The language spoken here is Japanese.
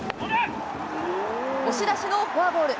押し出しのフォアボール。